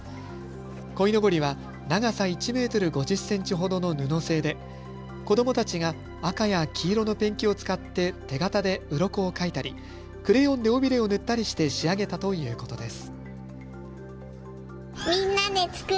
こいのぼりは長さ１メートル５０センチほどの布製で子どもたちが赤や黄色のペンキを使って手形でうろこを描いたりクレヨンで尾びれを塗ったりして仕上げたということです。